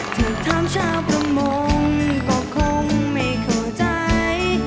ถูกถามชาวประมงก็คงไม่เข้าใจ